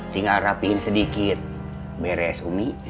tinggal rapiin sedikit beres umi